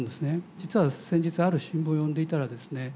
実は先日ある新聞を読んでいたらですね